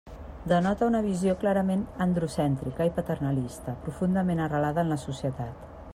Denota una visió clarament androcèntrica i paternalista profundament arrelada en la societat.